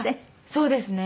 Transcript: そうですね。